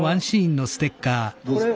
どうですか？